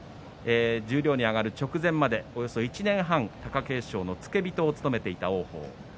十両に上がる直前までおよそ１年半、貴景勝の付け人を務めていた王鵬。